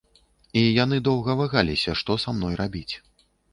І яны доўга вагаліся, што са мной рабіць.